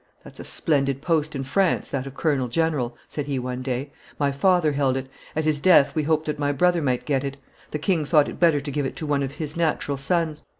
"That's a splendid post in France, that of colonel general," said he one day; "my father held it; at his death we hoped that my brother might get it; the king thought it better to give it to one of his, natural sons.